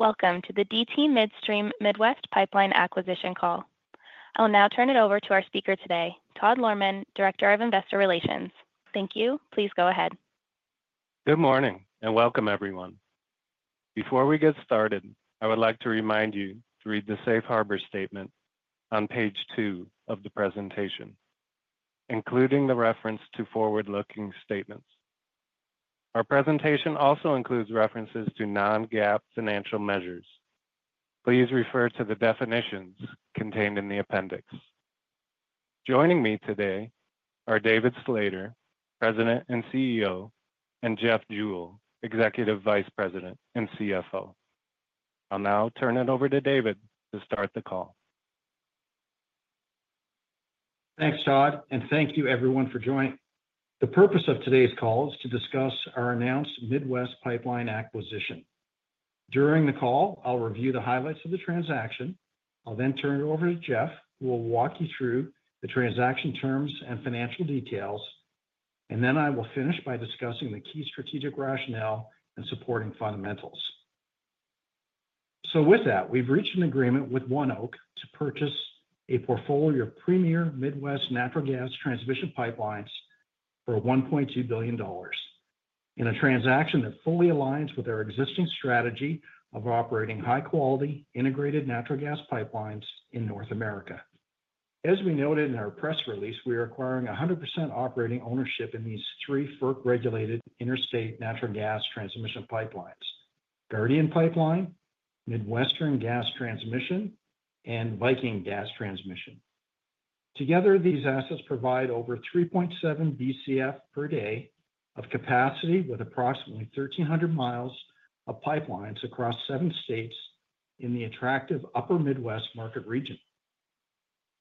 Welcome to the DT Midstream Midwest Pipeline Acquisition call. I'll now turn it over to our speaker today, Todd Lohrmann, Director of Investor Relations. Thank you. Please go ahead. Good morning and welcome, everyone. Before we get started, I would like to remind you to read the Safe Harbor Statement on page two of the presentation, including the reference to forward-looking statements. Our presentation also includes references to non-GAAP financial measures. Please refer to the definitions contained in the appendix. Joining me today are David Slater, President and CEO, and Jeff Jewell, Executive Vice President and CFO. I'll now turn it over to David to start the call. Thanks, Todd, and thank you, everyone, for joining. The purpose of today's call is to discuss our announced Midwest Pipeline Acquisition. During the call, I'll review the highlights of the transaction. I'll then turn it over to Jeff, who will walk you through the transaction terms and financial details, and then I will finish by discussing the key strategic rationale and supporting fundamentals. So with that, we've reached an agreement with ONEOK to purchase a portfolio of premier Midwest natural gas transmission pipelines for $1.2 billion in a transaction that fully aligns with our existing strategy of operating high-quality integrated natural gas pipelines in North America. As we noted in our press release, we are acquiring 100% operating ownership in these three FERC-regulated interstate natural gas transmission pipelines: Guardian Pipeline, Midwestern Gas Transmission, and Viking Gas Transmission. Together, these assets provide over 3.7 BCF per day of capacity with approximately 1,300 miles of pipelines across seven states in the attractive Upper Midwest market region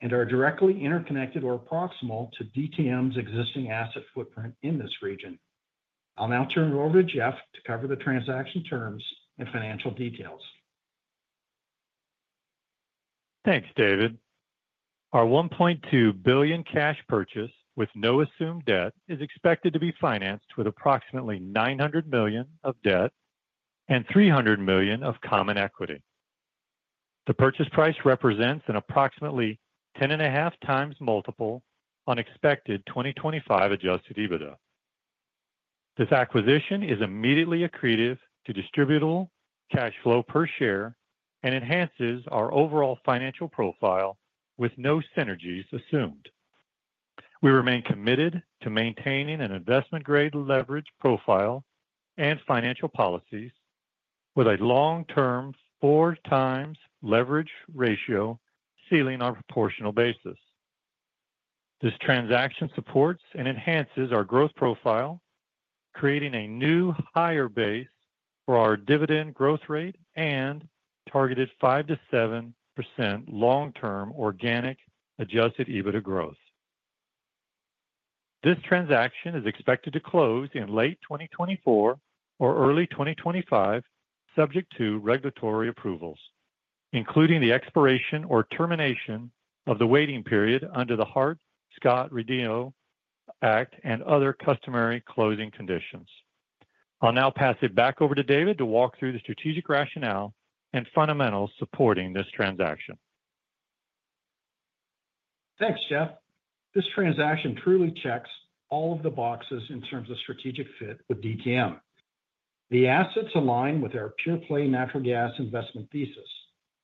and are directly interconnected or proximal to DTM's existing asset footprint in this region. I'll now turn it over to Jeff to cover the transaction terms and financial details. Thanks, David. Our $1.2 billion cash purchase with no assumed debt is expected to be financed with approximately $900 million of debt and $300 million of common equity. The purchase price represents an approximately 10.5 times multiple on expected 2025 adjusted EBITDA. This acquisition is immediately accretive to distributable cash flow per share and enhances our overall financial profile with no synergies assumed. We remain committed to maintaining an investment-grade leverage profile and financial policies with a long-term four-times leverage ratio ceiling on a proportional basis. This transaction supports and enhances our growth profile, creating a new higher base for our dividend growth rate and targeted 5%-7% long-term organic adjusted EBITDA growth. This transaction is expected to close in late 2024 or early 2025, subject to regulatory approvals, including the expiration or termination of the waiting period under the Hart-Scott-Rodino Act and other customary closing conditions. I'll now pass it back over to David to walk through the strategic rationale and fundamentals supporting this transaction. Thanks, Jeff. This transaction truly checks all of the boxes in terms of strategic fit with DTM. The assets align with our pure-play natural gas investment thesis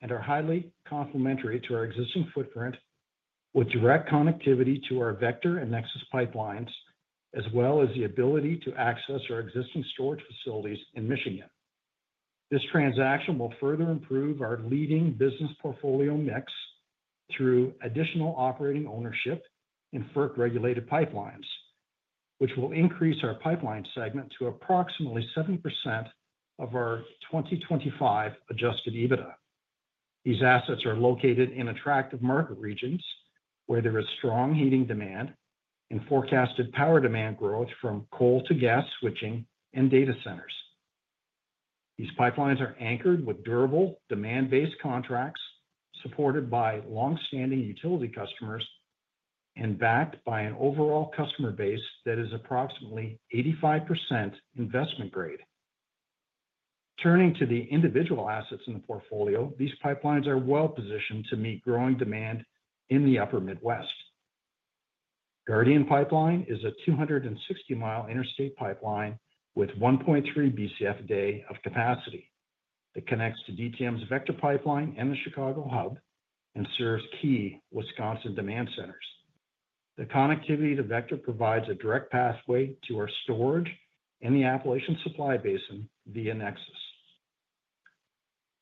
and are highly complementary to our existing footprint with direct connectivity to our Vector and NEXUS pipelines, as well as the ability to access our existing storage facilities in Michigan. This transaction will further improve our leading business portfolio mix through additional operating ownership in FERC-regulated pipelines, which will increase our pipeline segment to approximately 70% of our 2025 Adjusted EBITDA. These assets are located in attractive market regions where there is strong heating demand and forecasted power demand growth from coal-to-gas switching and data centers. These pipelines are anchored with durable demand-based contracts supported by longstanding utility customers and backed by an overall customer base that is approximately 85% investment grade. Turning to the individual assets in the portfolio, these pipelines are well-positioned to meet growing demand in the Upper Midwest. Guardian Pipeline is a 260-mile interstate pipeline with 1.3 BCF a day of capacity that connects to DTM's Vector pipeline and the Chicago Hub and serves key Wisconsin demand centers. The connectivity to Vector provides a direct pathway to our storage and the Appalachian supply basin via NEXUS.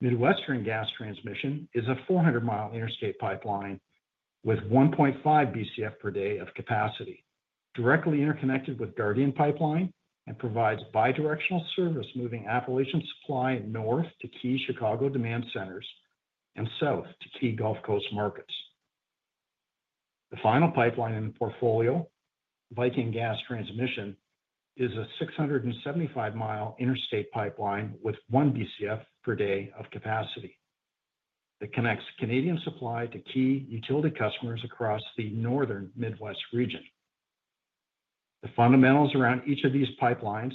Midwestern Gas Transmission is a 400-mile interstate pipeline with 1.5 BCF per day of capacity, directly interconnected with Guardian Pipeline and provides bidirectional service moving Appalachian supply north to key Chicago demand centers and south to key Gulf Coast markets. The final pipeline in the portfolio, Viking Gas Transmission, is a 675-mile interstate pipeline with 1 BCF per day of capacity that connects Canadian supply to key utility customers across the Northern Midwest region. The fundamentals around each of these pipelines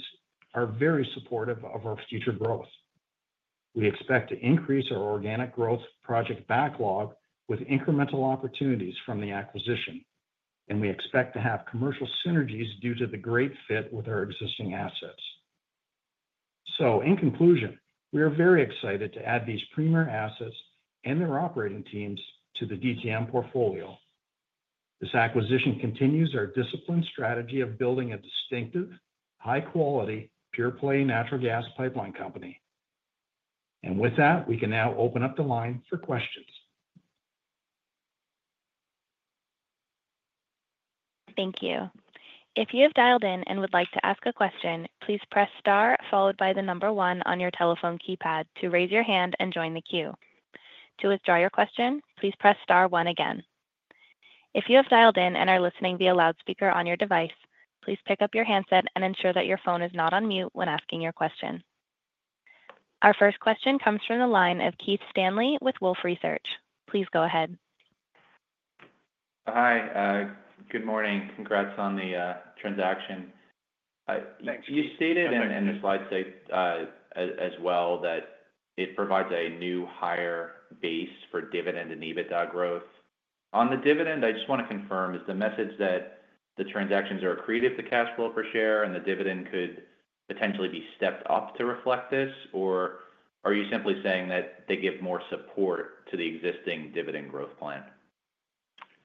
are very supportive of our future growth. We expect to increase our organic growth project backlog with incremental opportunities from the acquisition, and we expect to have commercial synergies due to the great fit with our existing assets, so in conclusion, we are very excited to add these premier assets and their operating teams to the DTM portfolio. This acquisition continues our disciplined strategy of building a distinctive, high-quality, pure-play natural gas pipeline company, and with that, we can now open up the line for questions. Thank you. If you have dialed in and would like to ask a question, please press star followed by the number one on your telephone keypad to raise your hand and join the queue. To withdraw your question, please press star one again. If you have dialed in and are listening via loudspeaker on your device, please pick up your handset and ensure that your phone is not on mute when asking your question. Our first question comes from the line of Keith Stanley with Wolfe Research. Please go ahead. Hi. Good morning. Congrats on the transaction. Thanks. You stated in your slideshow as well that it provides a new higher base for dividend and EBITDA growth. On the dividend, I just want to confirm, is the message that the transactions are accretive to cash flow per share and the dividend could potentially be stepped up to reflect this, or are you simply saying that they give more support to the existing dividend growth plan?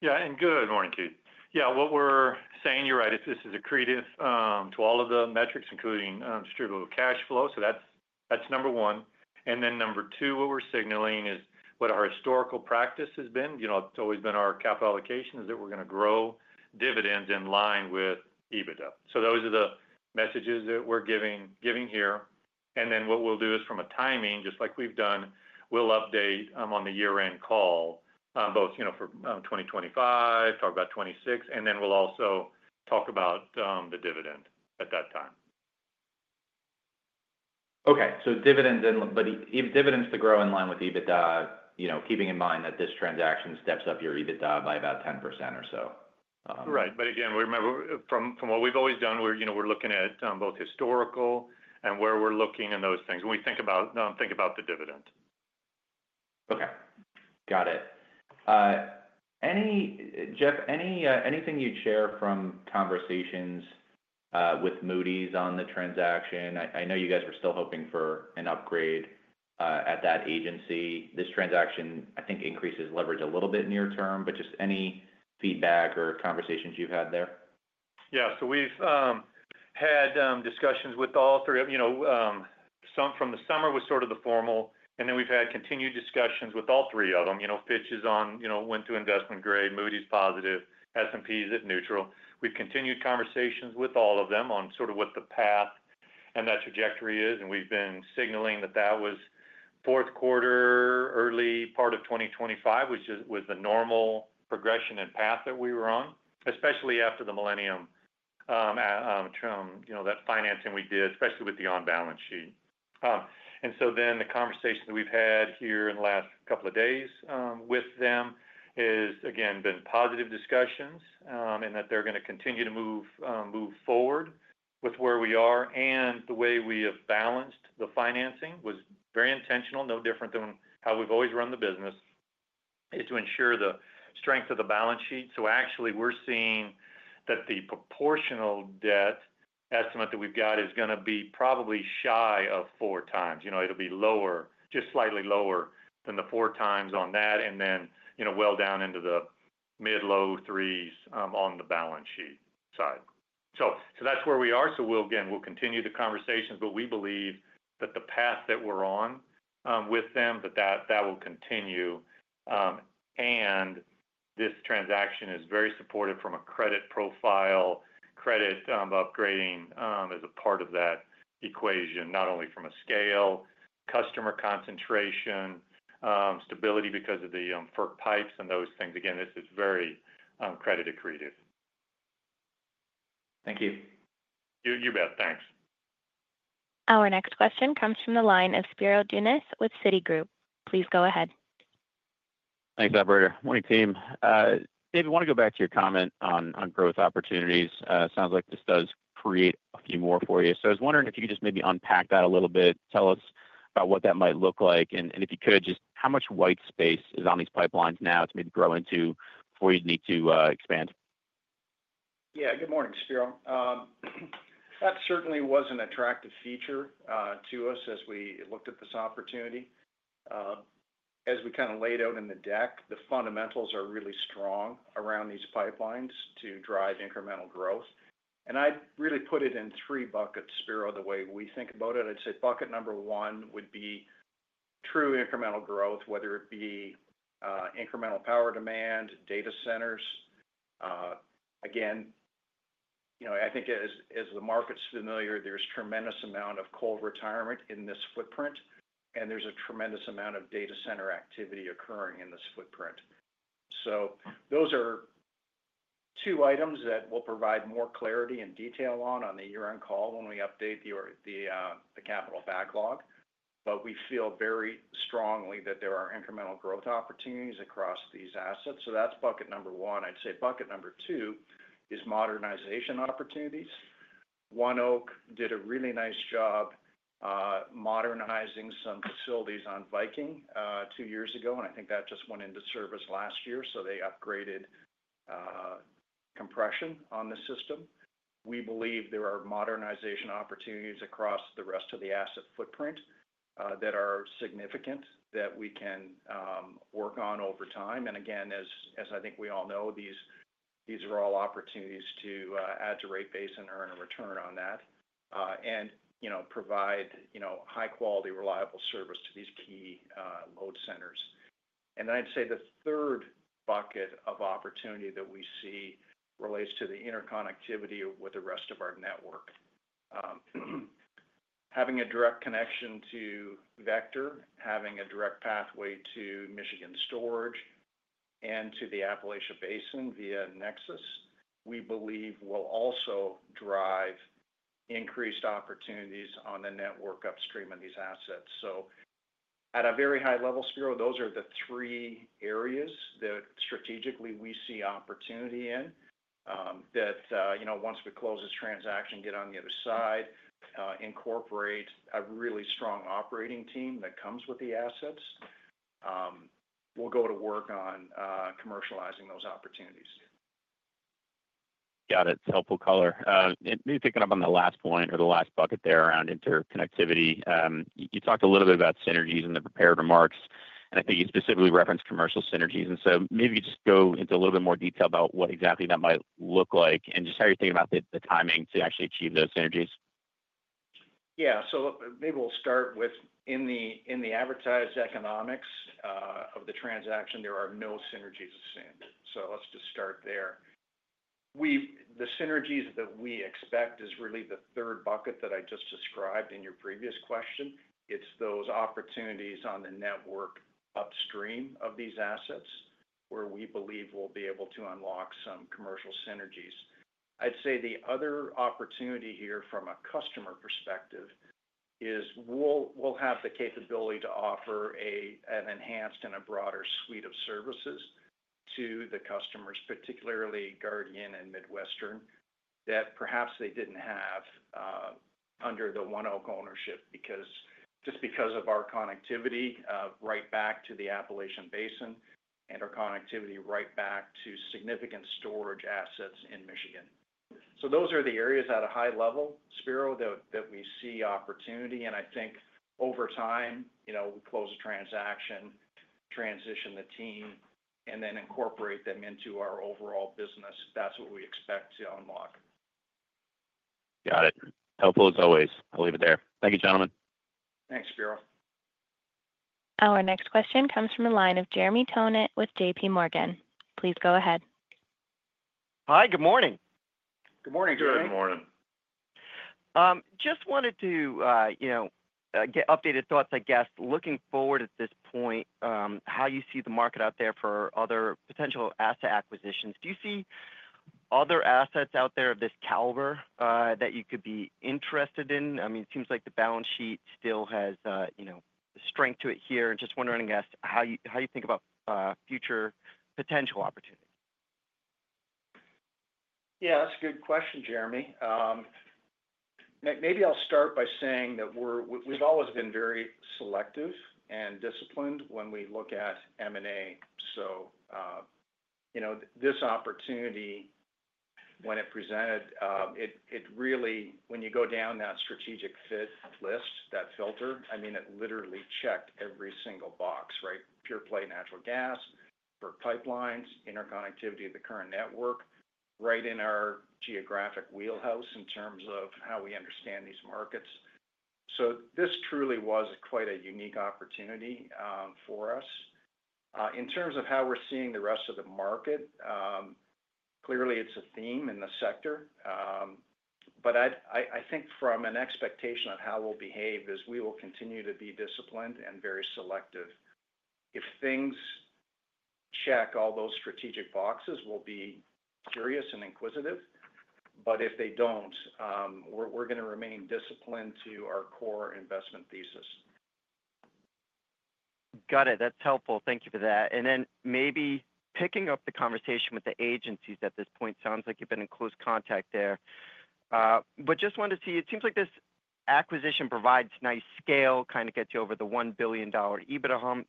Yeah. And good morning, Keith. Yeah. What we're saying, you're right, is this is accretive to all of the metrics, including Distributable Cash Flow. So that's number one. And then number two, what we're signaling is what our historical practice has been. It's always been our capital allocation is that we're going to grow dividends in line with EBITDA. So those are the messages that we're giving here. And then what we'll do is, from a timing, just like we've done, we'll update on the year-end call, both for 2025, talk about 2026, and then we'll also talk about the dividend at that time. Okay. So dividends, but if dividends could grow in line with EBITDA, keeping in mind that this transaction steps up your EBITDA by about 10% or so. Right. But again, remember, from what we've always done, we're looking at both historical and where we're looking and those things when we think about the dividend. Okay. Got it. Jeff, anything you'd share from conversations with Moody's on the transaction? I know you guys were still hoping for an upgrade at that agency. This transaction, I think, increases leverage a little bit near term, but just any feedback or conversations you've had there? Yeah. So we've had discussions with all three. Some from the summer was sort of the formal, and then we've had continued discussions with all three of them, pitches on went to investment grade, Moody's positive, S&P is at neutral. We've continued conversations with all three of them on sort of what the path and that trajectory is. And we've been signaling that that was fourth quarter, early part of 2025, was the normal progression and path that we were on, especially after the Millennium, that financing we did, especially with the on-balance sheet. And so then the conversations that we've had here in the last couple of days with them is, again, been positive discussions and that they're going to continue to move forward with where we are. The way we have balanced the financing was very intentional, no different than how we've always run the business, is to ensure the strength of the balance sheet. Actually, we're seeing that the proportional debt estimate that we've got is going to be probably shy of four times. It'll be lower, just slightly lower than the four times on that, and then well down into the mid-low threes on the balance sheet side. That's where we are. Again, we'll continue the conversations, but we believe that the path that we're on with them, that that will continue. This transaction is very supportive from a credit profile, credit upgrading as a part of that equation, not only from a scale, customer concentration, stability because of the FERC pipes and those things. Again, this is very credit accretive. Thank you. You bet. Thanks. Our next question comes from the line of Spiro Dounis with Citigroup. Please go ahead. Thanks, operator. Morning, team. David, I want to go back to your comment on growth opportunities. It sounds like this does create a few more for you. So I was wondering if you could just maybe unpack that a little bit, tell us about what that might look like, and if you could, just how much white space is on these pipelines now to maybe grow into before you'd need to expand? Yeah. Good morning, Spiro. That certainly was an attractive feature to us as we looked at this opportunity. As we kind of laid out in the deck, the fundamentals are really strong around these pipelines to drive incremental growth. And I'd really put it in three buckets, Spiro, the way we think about it. I'd say bucket number one would be true incremental growth, whether it be incremental power demand, data centers. Again, I think as the market's familiar, there's a tremendous amount of coal retirement in this footprint, and there's a tremendous amount of data center activity occurring in this footprint. So those are two items that we'll provide more clarity and detail on on the year-end call when we update the capital backlog. But we feel very strongly that there are incremental growth opportunities across these assets. So that's bucket number one. I'd say bucket number two is modernization opportunities. ONEOK did a really nice job modernizing some facilities on Viking two years ago, and I think that just went into service last year. So they upgraded compression on the system. We believe there are modernization opportunities across the rest of the asset footprint that are significant that we can work on over time. And again, as I think we all know, these are all opportunities to add to rate base and earn a return on that and provide high-quality, reliable service to these key load centers. And then I'd say the third bucket of opportunity that we see relates to the interconnectivity with the rest of our network. Having a direct connection to Vector, having a direct pathway to Michigan storage and to the Appalachian basin via NEXUS, we believe will also drive increased opportunities on the network upstream of these assets. So at a very high level, Spiro, those are the three areas that strategically we see opportunity in that once we close this transaction, get on the other side, incorporate a really strong operating team that comes with the assets. We'll go to work on commercializing those opportunities. Got it. It's helpful color. Maybe picking up on the last point or the last bucket there around interconnectivity. You talked a little bit about synergies in the prepared remarks, and I think you specifically referenced commercial synergies. And so maybe just go into a little bit more detail about what exactly that might look like and just how you're thinking about the timing to actually achieve those synergies. Yeah. So maybe we'll start with in the advertised economics of the transaction, there are no synergies of standard. So let's just start there. The synergies that we expect is really the third bucket that I just described in your previous question. It's those opportunities on the network upstream of these assets where we believe we'll be able to unlock some commercial synergies. I'd say the other opportunity here from a customer perspective is we'll have the capability to offer an enhanced and a broader suite of services to the customers, particularly Guardian and Midwestern, that perhaps they didn't have under the ONEOK ownership just because of our connectivity right back to the Appalachian basin and our connectivity right back to significant storage assets in Michigan. So those are the areas at a high level, Spiro, that we see opportunity. I think over time, we close a transaction, transition the team, and then incorporate them into our overall business. That's what we expect to unlock. Got it. Helpful as always. I'll leave it there. Thank you, gentlemen. Thanks, Spiro. Our next question comes from the line of Jeremy Tonet with JPMorgan. Please go ahead. Hi. Good morning. Good morning, Jeremy. Good morning. Just wanted to get updated thoughts, I guess, looking forward at this point, how you see the market out there for other potential asset acquisitions? Do you see other assets out there of this caliber that you could be interested in? I mean, it seems like the balance sheet still has the strength to it here. And just wondering, I guess, how you think about future potential opportunities? Yeah. That's a good question, Jeremy. Maybe I'll start by saying that we've always been very selective and disciplined when we look at M&A. So this opportunity, when it presented, it really, when you go down that strategic fit list, that filter, I mean, it literally checked every single box, right? Pure-play natural gas, FERC pipelines, interconnectivity of the current network, right in our geographic wheelhouse in terms of how we understand these markets. So this truly was quite a unique opportunity for us. In terms of how we're seeing the rest of the market, clearly, it's a theme in the sector. But I think from an expectation of how we'll behave is we will continue to be disciplined and very selective. If things check all those strategic boxes, we'll be curious and inquisitive. But if they don't, we're going to remain disciplined to our core investment thesis. Got it. That's helpful. Thank you for that. And then maybe picking up the conversation with the agencies at this point, sounds like you've been in close contact there. But just wanted to see, it seems like this acquisition provides nice scale, kind of gets you over the $1 billion EBITDA hump,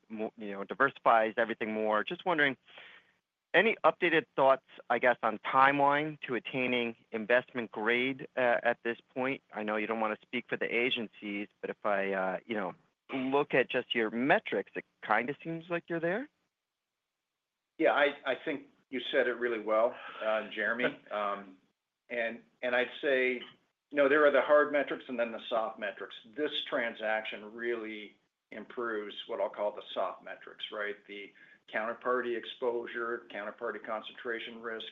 diversifies everything more. Just wondering, any updated thoughts, I guess, on timeline to attaining investment grade at this point? I know you don't want to speak for the agencies, but if I look at just your metrics, it kind of seems like you're there. Yeah. I think you said it really well, Jeremy. And I'd say there are the hard metrics and then the soft metrics. This transaction really improves what I'll call the soft metrics, right? The counterparty exposure, counterparty concentration risk,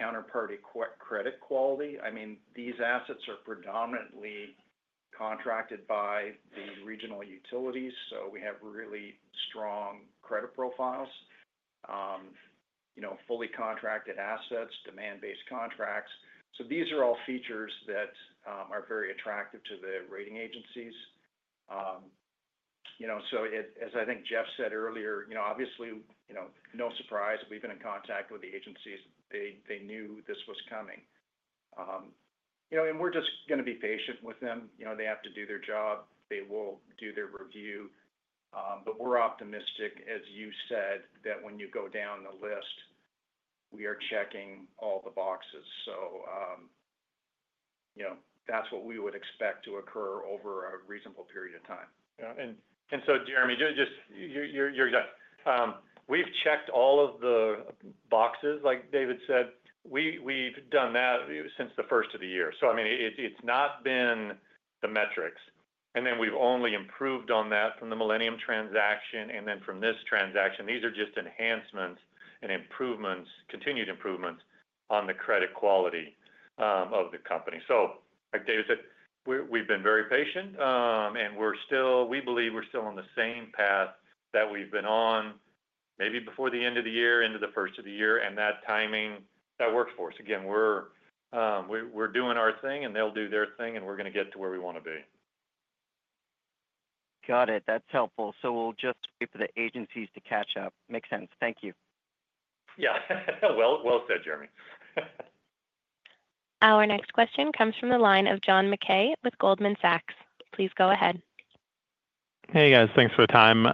counterparty credit quality. I mean, these assets are predominantly contracted by the regional utilities, so we have really strong credit profiles, fully contracted assets, demand-based contracts. So these are all features that are very attractive to the rating agencies. So as I think Jeff said earlier, obviously, no surprise, we've been in contact with the agencies. They knew this was coming. And we're just going to be patient with them. They have to do their job. They will do their review. But we're optimistic, as you said, that when you go down the list, we are checking all the boxes. So that's what we would expect to occur over a reasonable period of time. And so, Jeremy, just your exact question, we've checked all of the boxes, like David said. We've done that since the first of the year, so I mean, it's not been the metrics. Then we've only improved on that from the Millennium transaction and then from this transaction. These are just enhancements and improvements, continued improvements on the credit quality of the company, so like David said, we've been very patient, and we believe we're still on the same path that we've been on maybe before the end of the year, into the first of the year. That timing works for us. Again, we're doing our thing, and they'll do their thing, and we're going to get to where we want to be. Got it. That's helpful. So we'll just wait for the agencies to catch up. Makes sense. Thank you. Yeah. Well said, Jeremy. Our next question comes from the line of John Mackay with Goldman Sachs. Please go ahead. Hey, guys. Thanks for the time.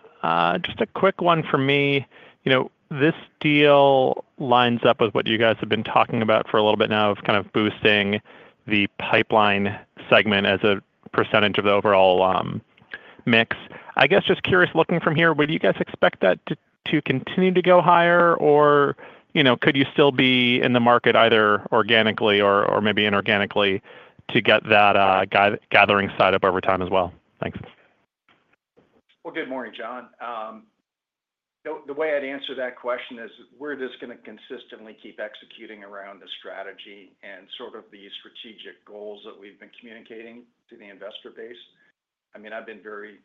Just a quick one for me. This deal lines up with what you guys have been talking about for a little bit now of kind of boosting the pipeline segment as a percentage of the overall mix. I guess just curious, looking from here, would you guys expect that to continue to go higher, or could you still be in the market either organically or maybe inorganically to get that gathering side up over time as well? Thanks. Well, good morning, John. The way I'd answer that question is we're just going to consistently keep executing around the strategy and sort of the strategic goals that we've been communicating to the investor base. I mean, I've been very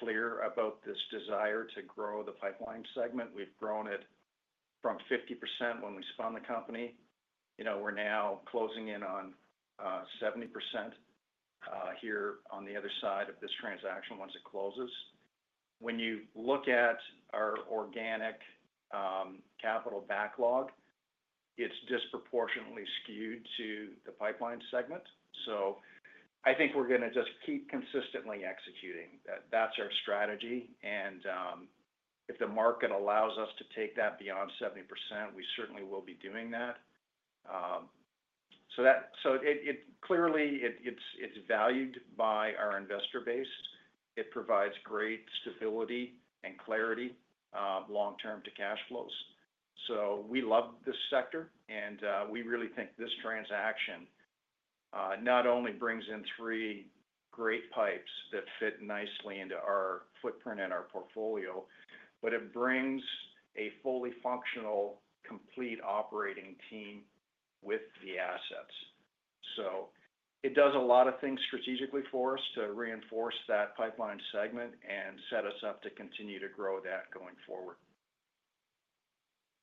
clear about this desire to grow the pipeline segment. We've grown it from 50% when we spun the company. We're now closing in on 70% here on the other side of this transaction once it closes. When you look at our organic capital backlog, it's disproportionately skewed to the pipeline segment. So I think we're going to just keep consistently executing. That's our strategy. And if the market allows us to take that beyond 70%, we certainly will be doing that. So clearly, it's valued by our investor base. It provides great stability and clarity long-term to cash flows. So we love this sector, and we really think this transaction not only brings in three great pipes that fit nicely into our footprint and our portfolio, but it brings a fully functional, complete operating team with the assets. So it does a lot of things strategically for us to reinforce that pipeline segment and set us up to continue to grow that going forward.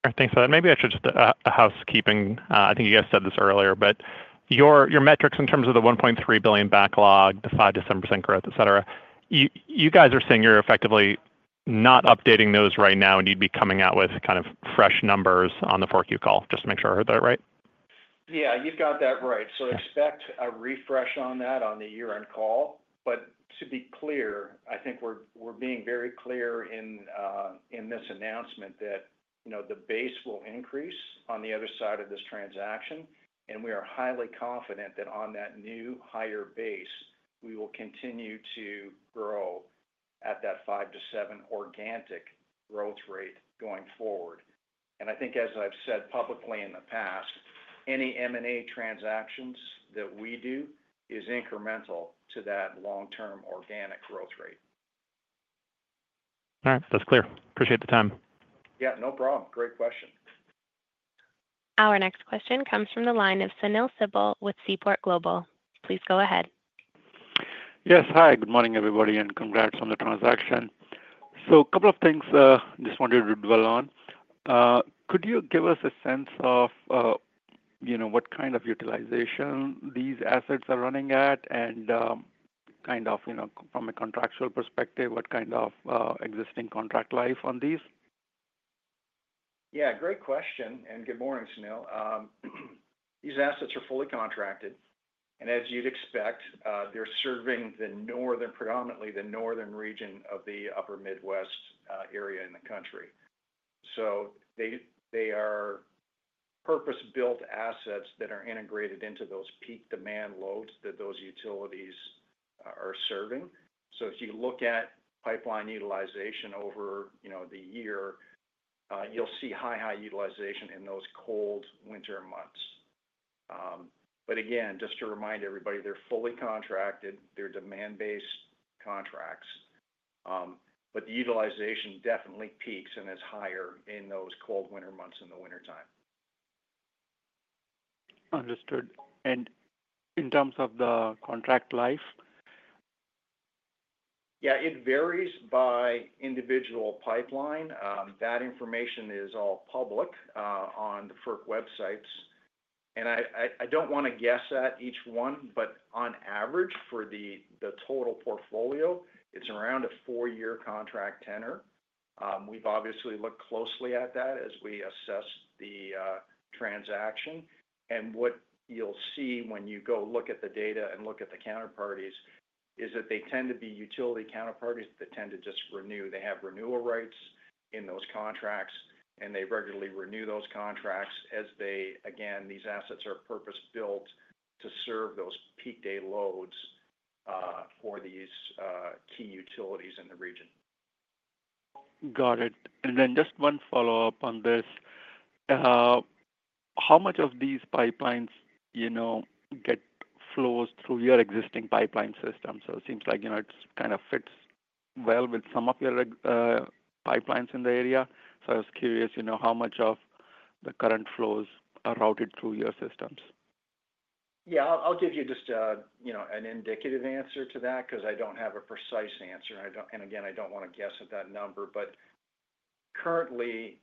All right. Thanks for that. Maybe I should just a housekeeping. I think you guys said this earlier, but your metrics in terms of the $1.3 billion backlog, the 5%-7% growth, etc., you guys are saying you're effectively not updating those right now, and you'd be coming out with kind of fresh numbers on the Q call, just to make sure I heard that right? Yeah. You've got that right, so expect a refresh on that on the year-end call, but to be clear, I think we're being very clear in this announcement that the base will increase on the other side of this transaction, and we are highly confident that on that new higher base, we will continue to grow at that 5%-7% organic growth rate going forward, and I think, as I've said publicly in the past, any M&A transactions that we do is incremental to that long-term organic growth rate. All right. That's clear. Appreciate the time. Yeah. No problem. Great question. Our next question comes from the line of Sunil Sibal with Seaport Global. Please go ahead. Yes. Hi. Good morning, everybody, and congrats on the transaction. So a couple of things I just wanted to dwell on. Could you give us a sense of what kind of utilization these assets are running at and kind of from a contractual perspective, what kind of existing contract life on these? Yeah. Great question. And good morning, Sunil. These assets are fully contracted. And as you'd expect, they're serving predominantly the northern region of the Upper Midwest area in the country. So they are purpose-built assets that are integrated into those peak demand loads that those utilities are serving. So if you look at pipeline utilization over the year, you'll see high, high utilization in those cold winter months. But again, just to remind everybody, they're fully contracted. They're demand-based contracts. But the utilization definitely peaks and is higher in those cold winter months in the wintertime. Understood. And in terms of the contract life? Yeah. It varies by individual pipeline. That information is all public on the FERC websites. And I don't want to guess at each one, but on average, for the total portfolio, it's around a four-year contract tenor. We've obviously looked closely at that as we assess the transaction. And what you'll see when you go look at the data and look at the counterparties is that they tend to be utility counterparties that tend to just renew. They have renewal rights in those contracts, and they regularly renew those contracts as they, again, these assets are purpose-built to serve those peak day loads for these key utilities in the region. Got it. And then just one follow-up on this. How much of these pipelines get flows through your existing pipeline system? So it seems like it kind of fits well with some of your pipelines in the area. So I was curious how much of the current flows are routed through your systems. Yeah. I'll give you just an indicative answer to that because I don't have a precise answer. And again, I don't want to guess at that number. But currently,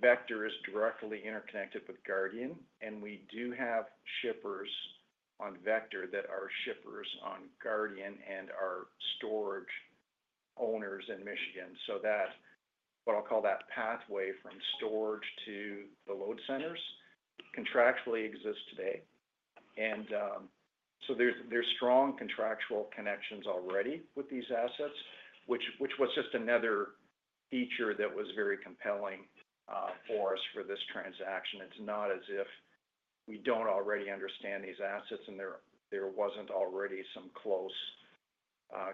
Vector is directly interconnected with Guardian, and we do have shippers on Vector that are shippers on Guardian and are storage owners in Michigan. So what I'll call that pathway from storage to the load centers contractually exists today. And so there's strong contractual connections already with these assets, which was just another feature that was very compelling for us for this transaction. It's not as if we don't already understand these assets and there wasn't already some close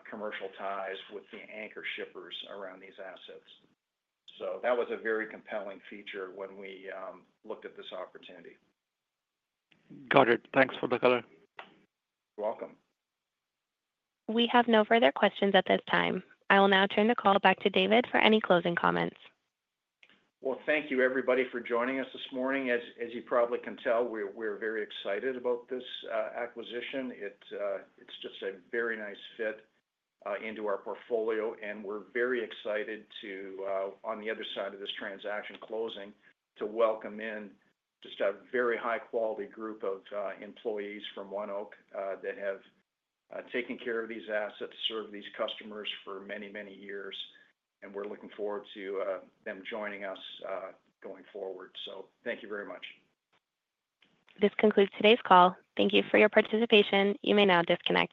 commercial ties with the anchor shippers around these assets. So that was a very compelling feature when we looked at this opportunity. Got it. Thanks for the color. You're welcome. We have no further questions at this time. I will now turn the call back to David for any closing comments. Thank you, everybody, for joining us this morning. As you probably can tell, we're very excited about this acquisition. It's just a very nice fit into our portfolio. We're very excited to, on the other side of this transaction closing, to welcome in just a very high-quality group of employees from ONEOK that have taken care of these assets to serve these customers for many, many years. We're looking forward to them joining us going forward. Thank you very much. This concludes today's call. Thank you for your participation. You may now disconnect.